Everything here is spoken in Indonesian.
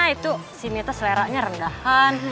itu sini tuh seleranya rendahan